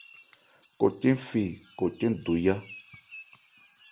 Kɔcɛn fe kɔcɛn do yá.